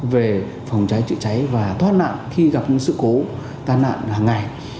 về phòng cháy trị cháy và thoát nạn khi gặp những sự cố tan nạn hàng ngày